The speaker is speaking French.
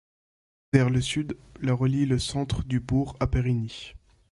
Vers le sud, la relie le centre du bourg à Périgny.